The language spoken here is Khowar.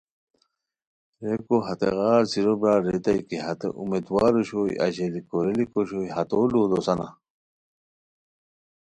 ریکو تیغار څیرو برار ریتائے کی ہتے امیدوار اوشوئے اژیلی کوریلیک اوشوئے ہتو لوؤ دوسانا؟